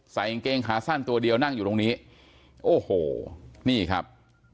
กางเกงขาสั้นตัวเดียวนั่งอยู่ตรงนี้โอ้โหนี่ครับ